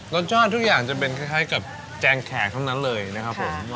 ทุกอย่างจะเป็นคล้ายกับแจงแขกเท่านั้นเลยนะครับผม